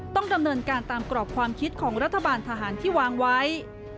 ต้องดำเนินการตามกรอบความคิดของรัฐบาลทหารที่วางไว้